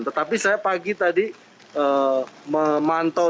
tetapi saya pagi tadi memantau